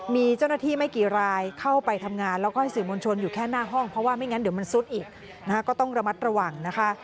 มีเจ้าหน้าที่ไม่กี่รายเข้าไปทำงานแล้วก็ให้สื่อมวลชนอยู่แค่หน้าห้องเพราะว่าไม่งั้นเดี๋ยวมันซุดอีกนะคะก็ต้องระมัดระวังนะคะ